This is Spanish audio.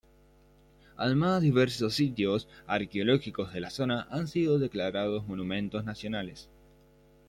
Además, diversos sitios arqueológicos de la zona han sido declarados monumentos nacionales.